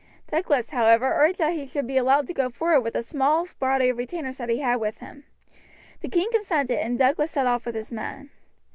Douglas, however, urged that he should be allowed to go forward with the small body of retainers which he had with him. The king consented, and Douglas set off with his men.